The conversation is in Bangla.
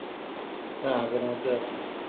না, আগের মতোই আছে।